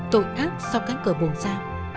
tội ác sau cánh cửa bồn xa